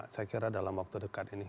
saya kira dalam waktu dekat ini